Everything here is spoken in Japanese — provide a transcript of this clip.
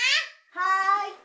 はい。